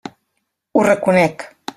Ho reconec.